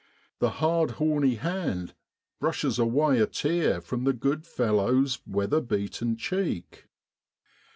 (The hard horny hand brushes away a tear from the good fellow's weather beaten cheek).